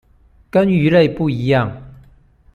跟魚類不一樣